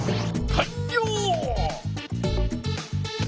かんりょう！